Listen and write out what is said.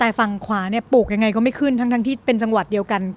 แต่ฝั่งขวาเนี่ยปลูกยังไงก็ไม่ขึ้นทั้งที่เป็นจังหวัดเดียวกัน